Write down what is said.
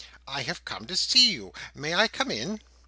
"I have come to see you. May I come in?"